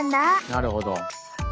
なるほど。